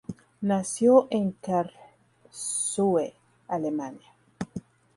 Nació en Karlsruhe, Alemania.